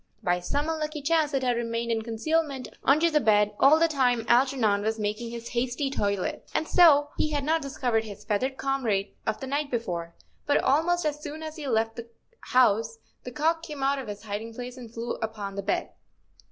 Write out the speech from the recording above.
By some unlucky chance it had remained in concealment under the bed all the time Algernon was making his hasty toilet, and so he had not discovered his feathered comrade of the night before; but almost as soon as he left the house the cock came out of his hiding place and flew up on the bed.